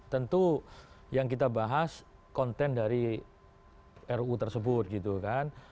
tentu yang kita bahas konten dari ruu tersebut gitu kan